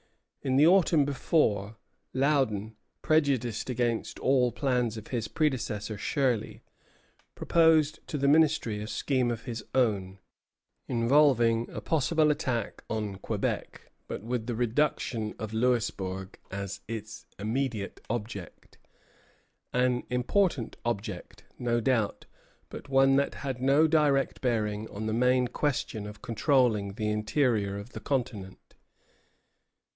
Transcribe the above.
In the autumn before, Loudon, prejudiced against all plans of his predecessor, Shirley, proposed to the Ministry a scheme of his own, involving a possible attack on Quebec, but with the reduction of Louisbourg as its immediate object, an important object, no doubt, but one that had no direct bearing on the main question of controlling the interior of the continent.